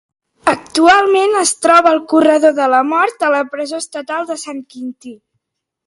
Actualment es troba al corredor de la mort a la presó estatal de Sant Quintí.